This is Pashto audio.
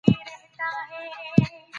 که فرد ناهيلي سي هر څه ورته تور ښکاري.